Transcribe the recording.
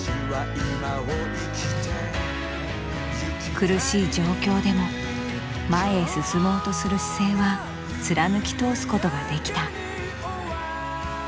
苦しい状況でも前へ進もうとする姿勢は貫き通すことができた。